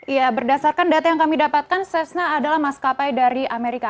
ya berdasarkan data yang kami dapatkan sesna adalah maskapai dari amerika